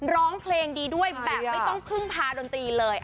ร้องเพลงดีด้วยแบบไม่ต้องพึ่งพาดนตรีเลย